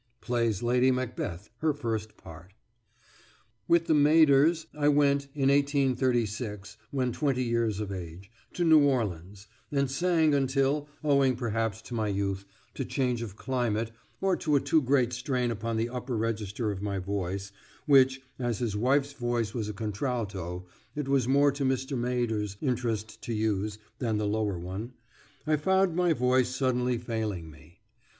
PLAYS LADY MACBETH, HER FIRST PART With the Maeders I went [in 1836, when twenty years of age] to New Orleans, and sang until, owing perhaps to my youth, to change of climate, or to a too great strain upon the upper register of my voice, which, as his wife's voice was a contralto, it was more to Mr. Maeder's interest to use, than the lower one, I found my voice suddenly failing me.